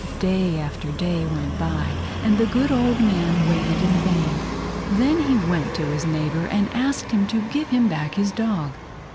Day after day went by and the good old man waited in vain. Then he went to his neighbor and asked him to give him back his dog.